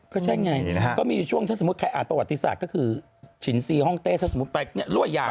ก็ใช่ไงก็มีช่วงถ้าสมมุติแขกอาตวัติศาสตร์ก็คือชินซีฮ่องเต้ถ้าสมมุติแบบนี้รั่วอย่าง